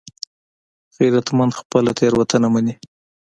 غیرتمند خپله تېروتنه مني